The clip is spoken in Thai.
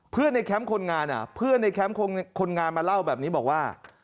เพื่อนในแคมป์คนงานมาเล่าแบบนี้บอกว่า